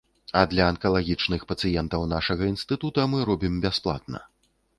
А для анкалагічных пацыентаў нашага інстытута мы робім бясплатна.